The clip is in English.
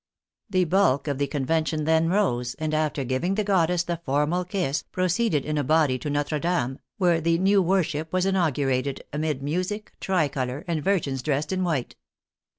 The bulk of the Convention then rose, and after giving the goddess the formal kiss, proceeded in a body to Notre Dame, where the new worship was inaugurated amid music, tricolor, and virgins dressed in white.